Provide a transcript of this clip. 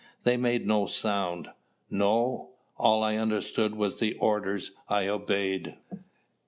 They made no sound." "No. All I understood was the orders I obeyed."